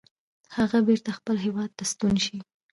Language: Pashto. هغه بیرته خپل هیواد ته ستون شي.